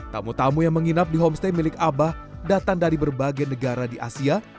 tamu tamu yang menginap di homestay milik abah datang dari berbagai negara di asia